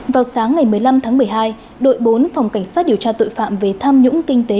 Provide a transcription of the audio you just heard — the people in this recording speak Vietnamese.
vào sáng ngày một mươi năm tháng một mươi hai đội bốn phòng cảnh sát điều tra tội phạm về tham nhũng kinh tế